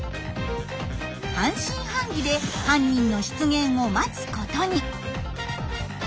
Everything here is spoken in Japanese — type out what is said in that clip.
半信半疑で犯人の出現を待つことに。